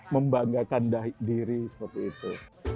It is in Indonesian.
membanggakan diri seperti itu